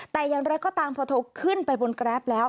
แต่อย่างไรก็ตามพอเธอขึ้นไปบนแกรปแล้ว